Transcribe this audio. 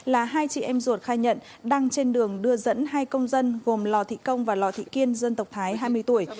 là hai chị em ruột khai nhận đang trên đường đưa dẫn hai công dân gồm lò thị công và lò thị kiên dân tộc thái hai mươi tuổi